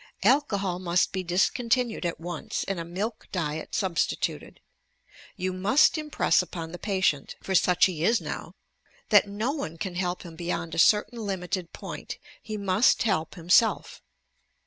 Alcohol must be dis continued at once and a milk diet substituted. You must impress upon the patient (for such he is now) that no one can help him beyond a certain limited point; he must help himself.